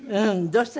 どうした？